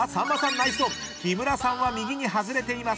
ナイスオン木村さんは右に外れています］